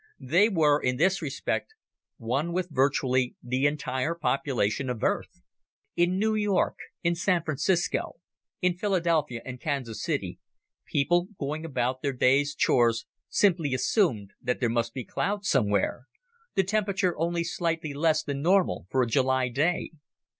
They were, in this respect, one with virtually the entire population of Earth. In New York, in San Francisco, in Philadelphia and Kansas City, people going about their day's chores simply assumed that there must be clouds somewhere the temperature only slightly less than normal for a July day.